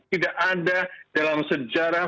tidak ada dalam sejarah